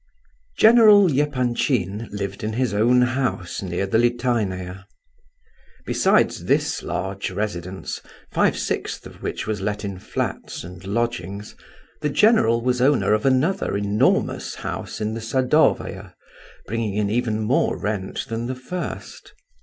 General Epanchin lived in his own house near the Litaynaya. Besides this large residence—five sixths of which was let in flats and lodgings—the general was owner of another enormous house in the Sadovaya bringing in even more rent than the first.